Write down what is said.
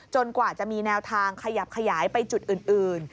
กว่าจะมีแนวทางขยับขยายไปจุดอื่น